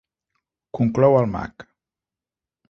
Conclou el mag.